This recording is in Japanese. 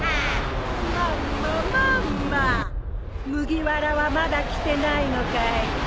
麦わらはまだ来てないのかい？